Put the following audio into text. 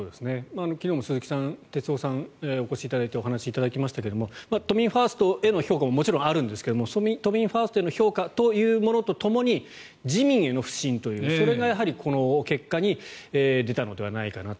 昨日も鈴木哲夫さんにお越しいただいてお話しいただきましたが都民ファーストへの評価ももちろんあるんですが都民ファーストへの評価というものとともに自民への不信というそれがこの結果に出たのではないかなと。